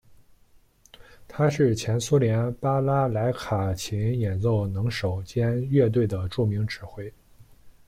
他是前苏联巴拉莱卡琴演奏能手兼乐队的著名指挥。